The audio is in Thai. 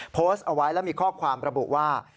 โพสต์เอาไว้แล้วมีข้อความระบุว่า